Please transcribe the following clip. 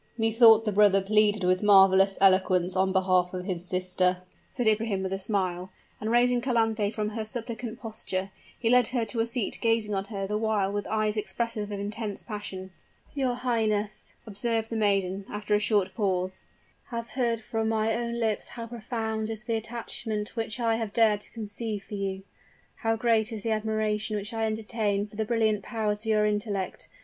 "Methought the brother pleaded with marvelous eloquence on behalf of his sister," said Ibrahim, with a smile; and raising Calanthe from her suppliant posture, he led her to a seat, gazing on her the while with eyes expressive of intense passion. "Your highness," observed the maiden, after a short pause, "has heard from my own lips how profound is the attachment which I have dared to conceive for you how great is the admiration which I entertain for the brilliant powers of your intellect.